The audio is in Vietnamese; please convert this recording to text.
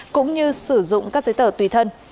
cũng như sử dụng các giấy tờ tùy thân